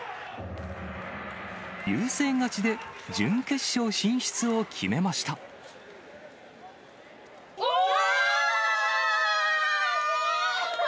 優勢勝ちで準決勝進出を決めおー！